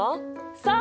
さあ